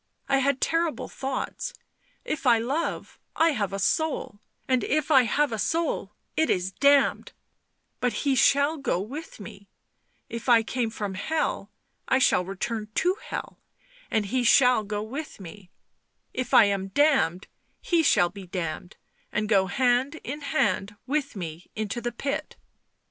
I had terrible thoughts — if I love, I have a soul, and if I have a soul it is damned; — but he shall go with me — if I came from hell I shall return to hell, and he shall go with me ;— if I am damned, he shall be damned and go hand in hand with me into the pit